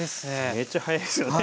めっちゃ早いですよね。